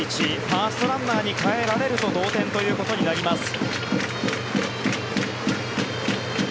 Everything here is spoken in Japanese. ファーストランナーにかえられると同点ということになります。